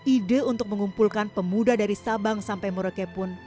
ide untuk mengumpulkan pemuda dari sabang sampai murekepun